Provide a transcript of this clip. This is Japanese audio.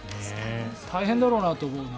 大変だろうなと思うな。